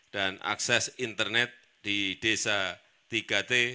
dan akses internet di desa tiga t